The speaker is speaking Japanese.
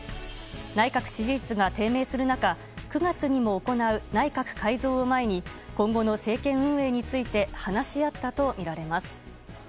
内閣支持率が低迷する中９月にも行う内閣改造を前に今後の政権運営について話し合ったとみられます。